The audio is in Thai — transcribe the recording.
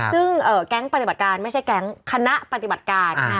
ซึ่งแก๊งปฏิบัติการไม่ใช่แก๊งคณะปฏิบัติการ